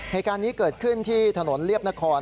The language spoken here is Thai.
เหตุการณ์นี้เกิดขึ้นที่ถนนเรียบนคร